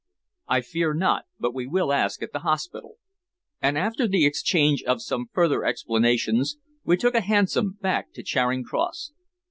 "I fear not, but we will ask at the hospital." And after the exchange of some further explanations, we took a hansom back to Charing Cross.